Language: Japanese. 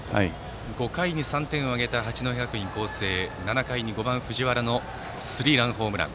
５回に３点を挙げた八戸学院光星７回に５番、藤原のスリーランホームラン。